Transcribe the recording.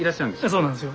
そうなんですよ。